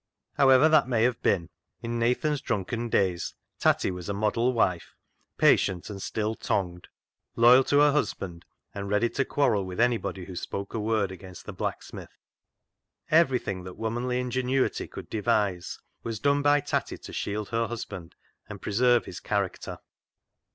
However that may have been, in Nathan's drunken days Tatty was a model wife, patient and still tongued, loyal to her husband, and ready to quarrel with anybody who spoke a word against the blacksmith. Everything that womanly ingenuity could devise was done by Tatty to shield her husband and preserve his character.